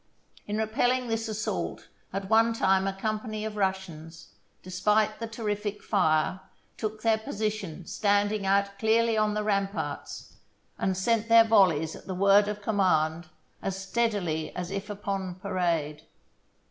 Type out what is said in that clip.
In repelling this assault at one time a company of THE BOOK OF FAMOUS SIEGES Russians, despite the terrific fire, took their position standing out clearly on the ramparts, and sent their volleys at the word of command as steadily as if upon parade.